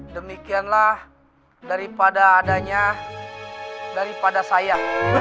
demikianlah daripada adanya daripada saya